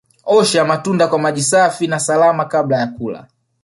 Osha matunda kwa maji safi na salama kabla ya kula